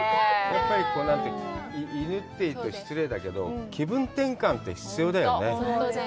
やっぱり犬って言うと失礼だけど、気分転換って必要だよね。